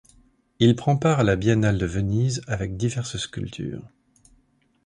Il prend part à la Biennale de Venise avec diverses sculptures.